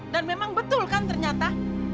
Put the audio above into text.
dan memang betul kan ternyata